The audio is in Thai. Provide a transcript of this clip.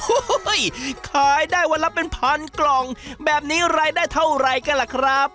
โอ้โหขายได้วันละเป็นพันกล่องแบบนี้รายได้เท่าไรกันล่ะครับ